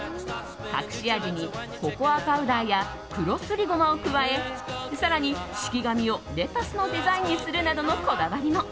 隠し味にココアパウダーや黒すりゴマを加え更に敷き紙をレタスのデザインにするなどのこだわりも。